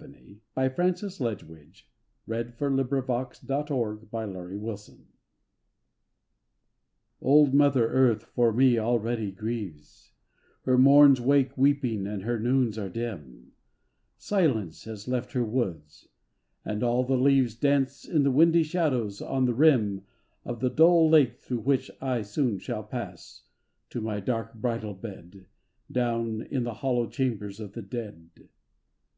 i8i IN GREECE THE DEPARTURE OF PROSERPINE Old mother Earth for me already grieves, Her morns wake weeping and her noons are dim, Silence has left her woods, and all the leaves Dance in the windy shadows on the rim Of the dull lake thro' which I soon shall pass To my dark bridal bed Down in the hollow chambers of the dead.